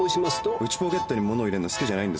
内ポケットにものを入れるの好きじゃないんです。